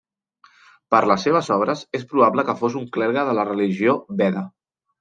Per les seves obres, és probable que fos un clergue de la religió veda.